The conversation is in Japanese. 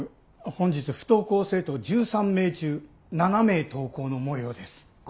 本日不登校生徒１３名中７名登校のもようです。